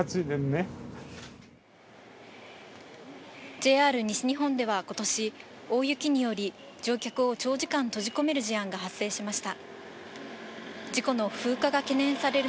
ＪＲ西日本では今年、大雪により乗客を長時間閉じ込める事案が発生しました。